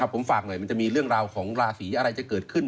ผมฝากหน่อยมันจะมีเรื่องราวของราศีอะไรจะเกิดขึ้น